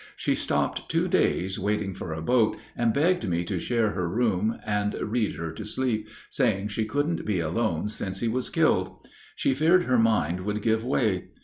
She stopped two days waiting for a boat, and begged me to share her room and read her to sleep, saying she couldn't be alone since he was killed; she feared her mind would give way.